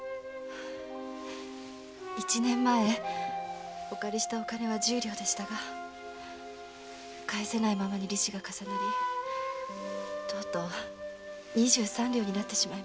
一年前お借りしたお金は十両でしたが返せないままに利子が重なりとうとう二十三両になって。